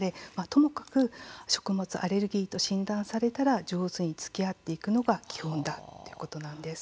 ともかく食物アレルギーと診断されたら、上手につきあっていくのが基本だということなんです。